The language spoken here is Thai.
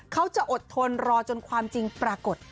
เขาจะอดทนรอจนความจริงปรากฏ